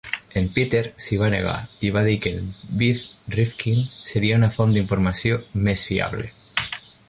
En Peter s'hi va negar i va dir que en Biff Rifkin seria una font d'informació més fiable.